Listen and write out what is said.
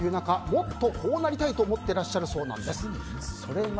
もっとこうなりたいと思ってらっしゃるそうです。